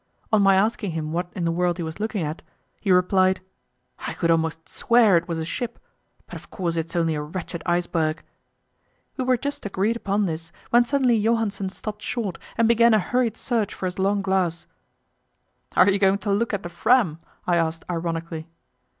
On my asking him what in the world he was looking at, he replied "I could almost swear it was a ship, but of course it's only a wretched iceberg." We were just agreed upon this, when suddenly Johansen stopped short and began a hurried search for his long glass. "Are you going to look at the Fram?" I asked ironically.